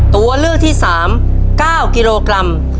ตัวเลือกที่๓๙กิโลกรัม